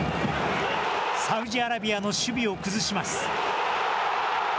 サウジアラビアの守備を崩します。